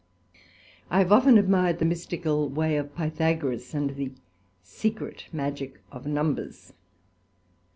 I have often admired the mystical way of Pythagoras, and the secret Magick of numbers.